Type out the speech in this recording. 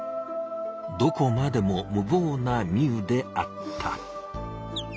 どこまでも無ぼうなミウであった。